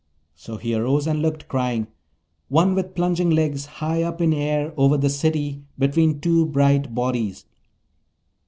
So he arose and looked, crying, 'One with plunging legs, high up in air over the City, between two bright bodies.'